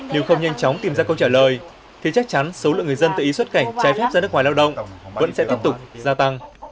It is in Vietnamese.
nếu không nhanh chóng tìm ra câu trả lời thì chắc chắn số lượng người dân tự ý xuất cảnh trái phép ra nước ngoài lao động vẫn sẽ tiếp tục gia tăng